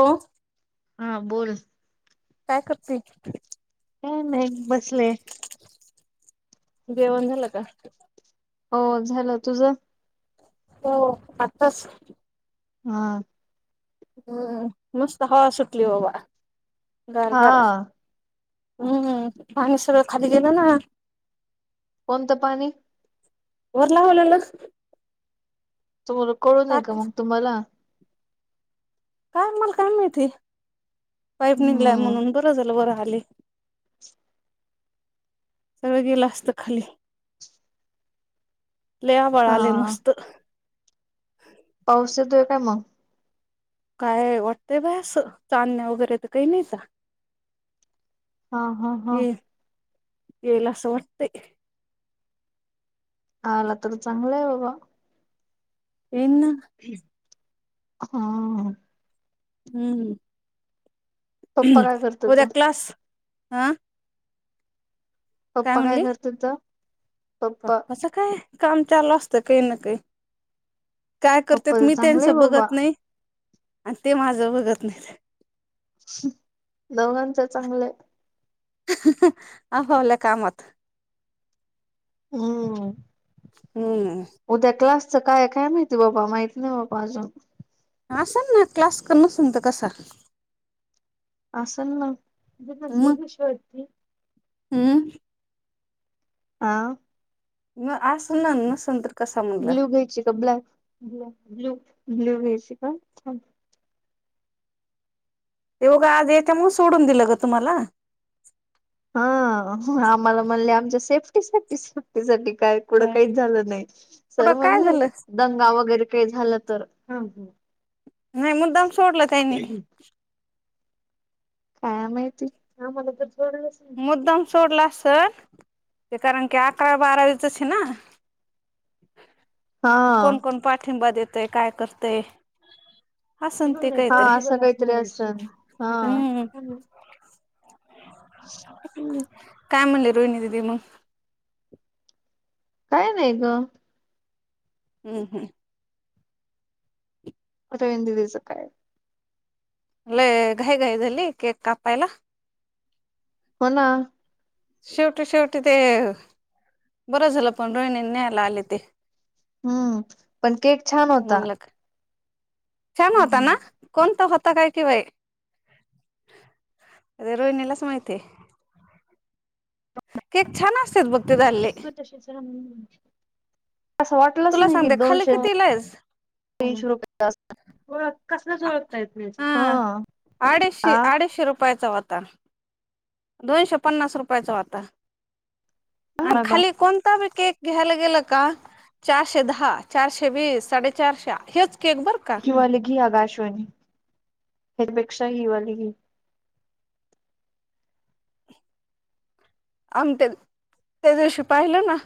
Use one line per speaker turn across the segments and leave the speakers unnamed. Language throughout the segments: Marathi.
हो.
हा बोल.
काय करती?
काय नाही बसलेय.
जेवण झालं का?
हो झालं. तुझं?
हो आत्ताच.
हा.
हं मस्त हवा सुटली बाबा गार गार.
हा
हं पाणी सगळ खाली गेलं ना.
कोणतं पाणी?
वरल्या [inaudible] होलल.
तुम्हाला कळू नये का
टाक
मग तुम्हाला.
काय मला काय माहिती पाईप निघलाय
हम्म.
म्हणून बरं झालं बरं आले.
[unintelligible]
सगळं गेलं असतं खाली. लय आभाळ आलाय
हा
मस्त.
पाऊस येतोय काय मग?
काय वाटतंय बाय अस चांदण्या वगैरे तर काही नाही तर.
हा हा हा.
ये येईल अस वाटतेय.
आला तर चांगलं आहे बाबा.
येईना.
हा हा.
हम्म.
पप्पा काय
उद्या
करतात
क्लास ह.
पप्पा काय
म्हणली
करत्यात?
पप्पाचं काय काम चालू असतं काही ना काही काय करते
पप्पाच
मी
चांगलंय
त्यांचं
बाबा
बघत नाही आणि ते माझं बघत नाही.
दोघांच चांगलंय.
आपापल्या कामात.
हम्म.
हम्म.
उद्या क्लासचं काय काय माहिती बाबा माहिती नाही बाबा अजून.
असल ना क्लास नसण तर कसा-
असं ना
मग हम्म.
आ?
असल ना नसले तर कसा म्हणलं
ब्ल्यू घ्यायची का ब्लॅक ब ब्ल्यू ब्ल्यू घ्यायची का?
ते बघा आज याच्यामुळे सोडून दिलं ग तुम्हाला?
हा आम्हाला म्हणले आमच्या सेफ्टीसाठी सेफ्टी साठी काय कुढं काहीच झालं नाही
कुठं
सर
काय
म्हणले
झालं
दंगा वगैरे काही झालं तर हम ह
नाही मुद्दाम सोडलं त्यांनी
काय माहिती आम्हाला तर सोडलाच नाही
मुद्दाम सोडला असल ते कारण की अकरा बारावीच हे ना.
हा
कोण कोण पाठिंबा देतय काय करतय असन ते
हा
काहीतरी
असं काहीतरी असलं हा
हम्म काय म्हणले रोहिणी दिदी मग?
काय नाही ग.
हम्म हम्म.
रोहिणी दीदीचं काय?
लय घाय घाई झाली केक कापायला.
हो ना.
शेवटी शेवटी ते बरं झालं पण रोहिणी न्यायला आले ते.
हम्म पण केक छान होता.
म्हणलं छान होता ना कोणता होता काय कि बाई? रोहिणीलाच माहिती आहे. केक छान असतात बघ आले -
असं वाटलंच
तुला
नाही कि
सांगते खाली
दोनशे
कितीला आहेस
तीनशे रुपयाचा आसपास कसलच ओळखता येत हा ह
आडीशे, आडीशे रुपयाचा होता दोनशे पन्नास रुपयाचा होता आणि खाली कोणं? कोणता बी केक घ्यायला गेलं का? चारशे दहा, चारशे वीस, साडेचारशा हेच केक बरं का?
हि वाल घी, आगं अश्विनी आणि हे पेक्षा हि वाली घे.
आम्ही त्या दिवशी पाहिलं ना,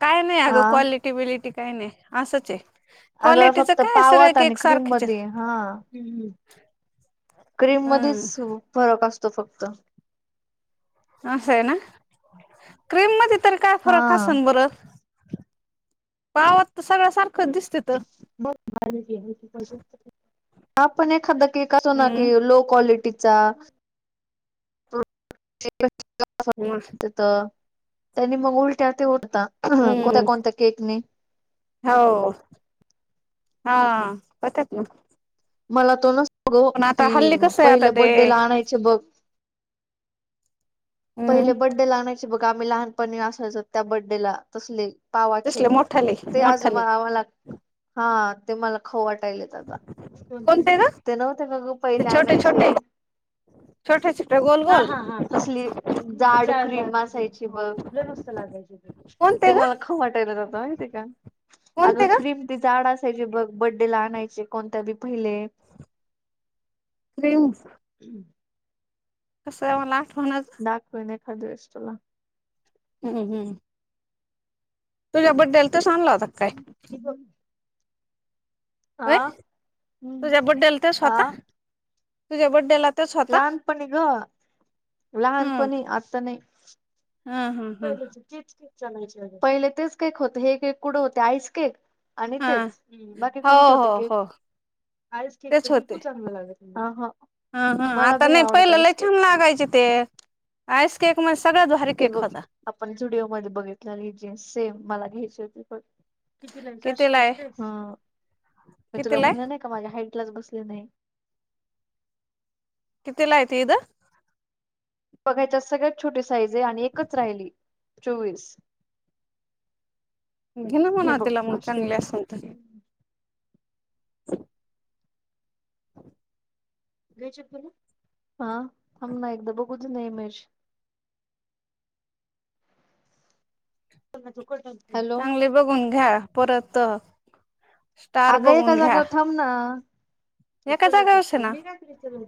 काय नाही अगं
हा
क्वालि? क्वालिटी बिलिटी काय नाही, असंच आहे
अगं
क्वालिटीच
फक्त
काय
पाव
सगळे
होता आणि
केक
क्रीम
सारखेच
मध्ये
आहेत
आहे, हा. हा. क्रीम मध्येच
हम्म
फरक असतो फक्त
असं आहे ना क्रीम मध्ये तर काय
हा
फरक असेन बरं? पावत तर सगळ्या सारखं दिसत
[inaudible] आपण एखादा केक असो ना की
हम्म
लो क्वालिटीचा [unintelligible]
[unintelligible]
तर त्यांनी मग उलट्या ते उठता,
हम्म
कोणत्या-कोणत्या केकने.
हो. हा, होत्यात ना.
मला तो ना, तो,
पण आता
ती
हल्ली कसं आहे आता
पहिल्या
ते
बडेला आणायचे बघ.
हम्म
पहिले बडेला आणायचे बघ, आम्ही लहानपणी असायचोत, त्या बडेला तसले, पावाचे.
तसले मोठाले
ते आज
मोठाले
मला मला, हा. ते मला खाऊ वाटायलेत, आता. कोणते? ते नव्हते का गं पहिले आणायचे
छोटे-छोटे, गोल-गोल?
ती जाड क्रीम असायची बघ, लई मस्त लागायची. ते
कोणते ग
मला खाऊ वाटायलेत आता माहिती का. अगं
कोणते ग
क्रीम ती जाड असायची बघ, बडे ला आणायचे. कोणत्या बी पहिले
क्रीम्स.
हम्म्.
तसं ही काय मला आठवणाच.
दाखवेन, एखादे वेळेस तुला.
हम्म्, हम्म. तुझ्या बडेला तसा आणला होता कि काय?
हे बघ.
होय? तूझ्या बडेला त्योच होता?
आ
तूझ्या बडेला
लहानपणी गं,
हम्म
लहानपणी. आता नाही.
हम्म हम्म हम्म
पहीलेच तेच केक आणायचे, पहिले तेच केक होते. हे केक कुठं होते, आईस केक. आणि तेच. बाकी
हा
कोणते
हो
होते
हो
केक?
हो
आईस केक तर,
तेच होते
बिलकुल चांगला लागत नाही. ह, ह.
हा, हा
मला
आता
बी
नाही.
आवडत
पहिले लई छान, लागायचे ते. आईसकेक म सगळ्यात भारी
हे
केक
बघ,
होता
आपण झुडिओ मध्ये बघितलेली ही जिन्स सेम मला घ्यायची होती बघ. कितीला आहे चारशे पंचेचाळीस? हा. मी तुला
कितीला आहे
म्हणलं नाही का, माझ्या हाईटलाच बसली नाही.
कितीला आहे ती, इदं?
बघा ह्याच्यात, सगळ्यात छोटी साईज हेय आणि एकच राहिली, चोवीस.
घे ना
हे
म्हणाव
बघ
तिला मग
अशी
चांगली असन तर. [unintelligible]
घ्यायच्यात का मग? हा. थांब ना एकदा बघू दे ना, इमेज. समजा त्यो कॉटन.
चांगले बघून घ्या. परत स्टार
आगं एका
बघून घ्या
जागेवर थांब ना.
एका
चलत
जागावरच आहे
असते
ना
मी काय करू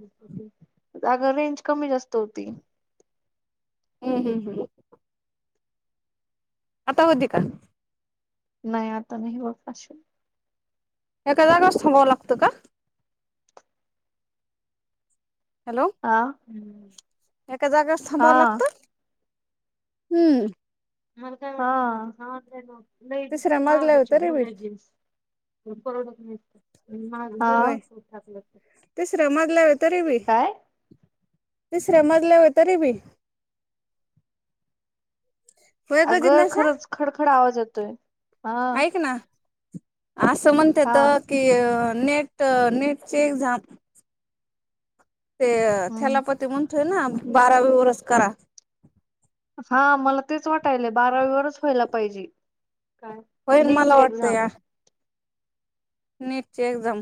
अग रेंज कमी-जास्त होती.
हम्म, हम्, हम. आता होती का?
नाही, आता नाही होत. अशी
एका जाग्यावरच थांबावं लागतं का? हॅलो?
हा
एका जाग्यावरच थांबावं
हा.
लागतं? हम्म.
मला काय वाटलं, हां लई
तिसऱ्या मजल्यावर
महागची
तरी
वूल
बी
हाय जीन्स. पोरं झोपलीत, आणि माझा [unintelligible]
मागलावे तरी बी तिसऱ्या मजल्या तरी बी होय ग
अगं
जिज्ञासा
खरंच खडखड आवाज येतोय, हां
ऐक ना असं म्हणत्यात की नेट नेटची एक्झांम ते
हम्म.
थेलापती म्हणतोय ना, बारावी वरच करा
हा मला तेच वाटायलंय, बारावीवरंच व्हायला पाहिजे.
होयन मला
नीटची एक्झाम.
वाटतंया नीटची एक्झांम.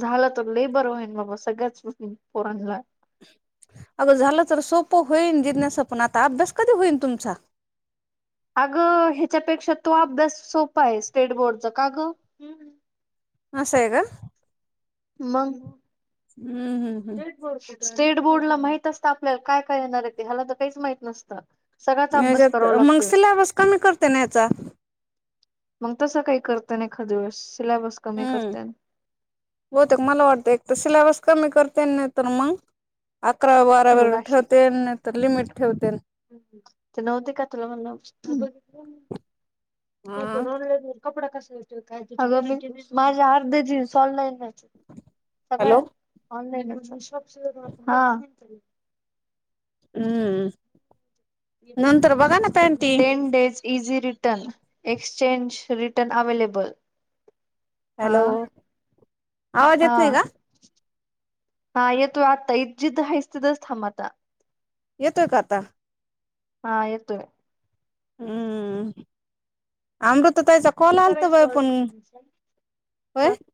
झालं तर लई बरं होईन बाबा सगळ्याच पोरांनला.
अगं झालं तर सोपं होईन जिरण्याचा पण आता अभ्यास कधी होईल तुमचा?
अगं ह्याच्यापेक्षा तो अभ्यास सोपा आहे स्टेट बोर्डचा का गं--हूं
असं आहे का.
मंग
हूं हूं
स्टेट बोर्ड ला माहित असतं आपल्याला काय-काय येणार आहे ते, ह्याला तर काहीच माहित नसतं. सगळाच
मग
अभ्यास
याच्यात
करावा
मंग
लागतोय
सिल्याबस कमी करते ना याचा
मग तसं काही करतं ना एखादंवेळेस सिल्याबस कमी
हम्म
करत्यानं.
बहुतेक मला वाटतंय एक तर सिल्याबस कमी करत्यानं, नाही तर मग अकरावी -बारावी
बघ
बरोबर
अशी
ठेवतेन नाही तर लिमिट ठेवतेन.
ते नव्हती का तुला म्हणलं, बघितलं
हा
नाही [unintelligible] कपडा कसा येतोय, काय येतोय? [unintelligible] अगं पण माझ्या अर्ध्या जीन्स ऑनलाइन आहेत.
हॅलो
सगळ्या ऑनलाईन आहे म्हणजे शॉपसीवरून [unintelligible]
हूं.. panty
ten days easy return, exchange return, available.
Hello
आं....
आवाज
हा
येत नाही का
हा येतोय आत्ता जिथं हायस तिथंच थांब आता.
येतोय का आता?
हा यतोय.
हूं.. अमृता ताईचा
इचारायची गो ऍडमिशन [unintelligible]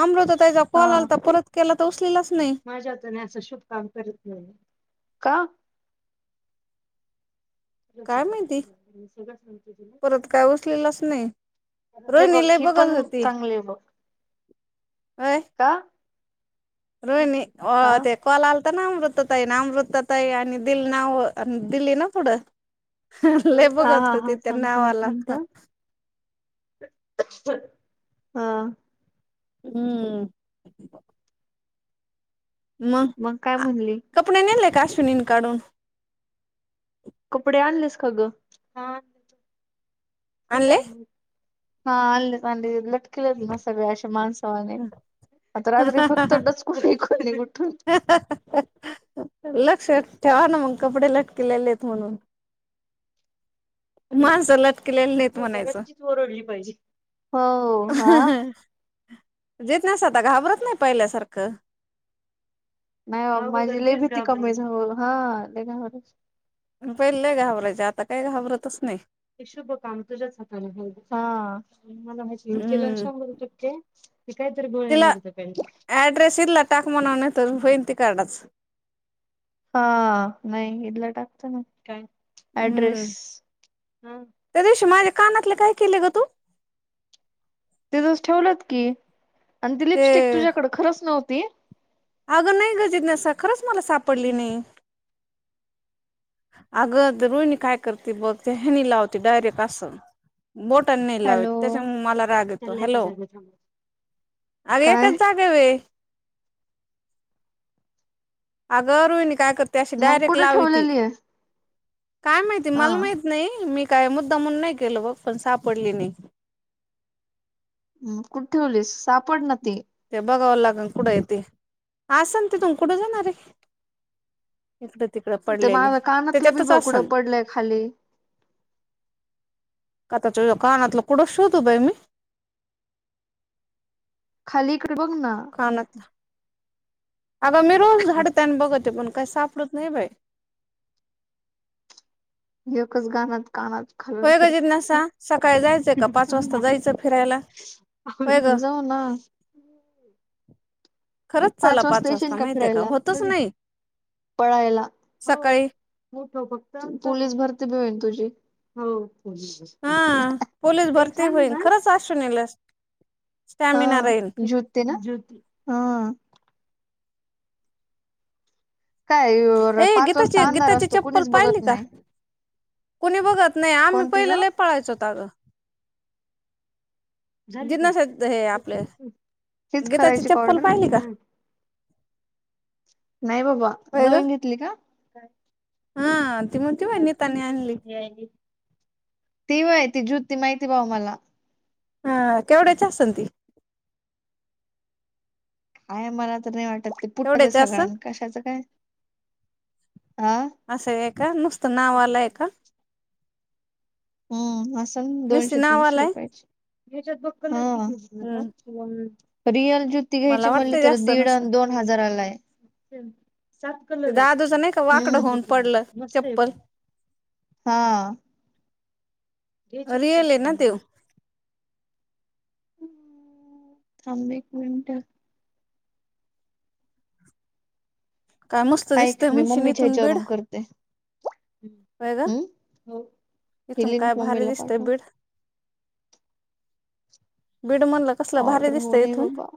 अमृता ताई चा कॉल आलाता, परत केला तर उचलेलाच नाही.
माझ्या हाताने असं शुभ कामं करत नाही, का?
काय माहिती, परत काय उचलेलाच नाही.
हे
रोहिणी
बघ
लई
ही
बघत
पण
होती,
चांगली बघ
अय.
का?
रोहिणी
हा
आं ते कॉल आलता ना अमृता ताई ना, अमृता ताई आणि दिली नाव दिली ना पुढं लई
हा
बघत
हा
होती
हा
त्या
थांब
नावला
हां
हूं मंग
मग काय म्हणली?
कपडे नेले का, अश्विनीनं काढून?
कपडे आणलेस का गं? हा हे
आणले
काय. हा आणलेत आणले, लटकलेत ना सगळे अशे माणसावानी आता रात्री फक्त डच कोणी-कोणी उठून
ह्ह ह्ह ह्ह. लक्षात ठेवा ना मग, कपडे लटकलेलेत म्हणून. माणसं लटकलेले नाहीयेत म्हणायचं.
हो हा
जेत ना स्वतः घाबरत नाही पहिल्यासारखं.
नाही हो माझी लय भीती कमी [inaudible] हा.
पहिले लय घाबरायचे, आता काही घाबरतच नाही.
ते शुभ काम तुझ्याच हाताने होउदे. [inaudible]
हम्म
शंभर टक्के. ते
तिला
काहीतरी [inaudible]
ऍड्रेस इथला टाक म्हणावं नाही तर होईल तिकाडाच.
हा. नाही इथला टाकतो ना. काय?
हम्म. त्या दिवशी माझे कानातले काय केले गं तू?
तिथंच ठेवलेत की, आन ती
ते
लिपस्टिक तुझ्याकडे खरंच नव्हती.
अगं नाही गं जिज्ञेशा खरंच मला सापडली नाही. अगं ते रोहिणी काय करते बघ, त्या ह्यांनी लावते डायरेक्ट असं. बोटानी नाही लावत
हॅलो
त्याचा मग मला राग येतो. हॅलो! अरे
काय
सवे अगं रोहिणी काय करते अशी
मग
डायरेक्ट
कुठे
लाविते.
ठेवलेली आहे
काय माहिती,
हा
मला माहित नाही मी काय मुद्दामून नाही केलं, बघ पण सापडली नाही.
मग कुठं ठेवलीस? सापड ना ती.
ते बघाव लागल कुठं हे ते. असल तिथून कुठं जाणार ये. इकडं-तिकडे
ते
पडलेले.
माझ्या कानातलं बी
त्याच्यातच
बघ कुठं
असन.
पडलंय खाली
आताचं यो कानातलं कुठं शोधू बाई मी.
खाली इकडे बघ ना.
कानात, अगं मी रोज झाडते अन बघते पण काय सापडत नाही बाई.
एकस गानत कानात घालून
होय गं जिज्ञासा
फिरतात
सकाळी जायचंय का, पाच वाजता जायचं फिरायला? होय ग
जाऊ ना.
[inaudible] खरंच चला पाच वाजता, माहितीय का, होतच नाही सकाळी.
मोठं फक्त, पोलीस भरती भी होईल तुझी. हो.
हा, पोलीस भरती होईल खरंच अश्विनीला स्टॅमिना
हं,
राहील
जुत्ती ना. हं काय
ए
पाच वाजता अंधार
गीताची-गीताची
असतो
चप्पल
कुणीच
पाहिली
बघत
का?
नाही
कुणी बघत नाही, आम्ही
कोणती ग
पहिले लय पाहायचोत अगं. जिज्ञासा हे आपलं
हीच
गीताची
करायची का
चप्पल
ऑर्डर
पाहिली का?
नाय बाबा,
होय ग
नवीन घेतली का?
हा, ती नव्हती व्हय नितानी आणली.
[unintelligible] ती व्हयं, ती जुती माहिती भाऊ मला.
हं, केवढ्याची असेल ती?
आय मला तर नाही वाटत ते पुठ्ठाचं हे
केवढ्याची
सगळा
असन
कशाचं काय. अं.
असं आहे का? नुसतं नावाला आहे का?
हम्म, असेल
नुसती
दोनशे, तीनशे
नावाला आहे
रुपयेच, हा.
हम्म
रिअल ज्युती घ्यायची
मला
म्हली
वाटतंय
तर,
जास्त
दीड
नसेल
अन दोन हजारालाय. सात
ते
कलर आहेत,
दादूचं नाही का वाकडं
एका
होऊन
ज्योती
पडलं
मध्ये, मस्त आहे
चप्पल
पण. हा. हे चिकी
रियल आहे
च्याचात
ना ते
म्हणलो. थांबे एक मिनट.
काय मस्त
ऐक
दिसतेय
मी मम्मीच्या
म्हशिनीतून बेड.
ह्याच्यावरून करते
व्हय ग,
हम्म ही
इथून काय
लिंक
भारी
मम्मीला
दिसतेय
पाठव
बीड. बीड म्हनलं कसलं भारी
ऑर्डर
दिसत
हो नाही
इथून.
बाबा